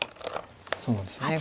そうなんですよね。